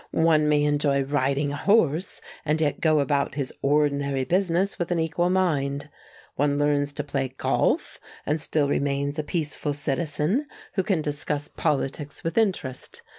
One may enjoy riding a horse and yet go about his ordinary business with an equal mind. One learns to play golf and still remains a peaceful citizen who can discuss politics with interest.